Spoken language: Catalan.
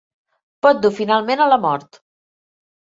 Pot dur finalment a la mort.